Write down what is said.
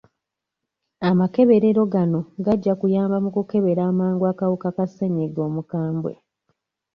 Amakeberero gano gajja kuyamba mu kukebera amangu akawuka ka ssenyiga omukambwe